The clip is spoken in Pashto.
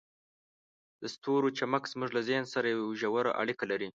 د ستورو چمک زموږ له ذهن سره یوه ژوره اړیکه لري.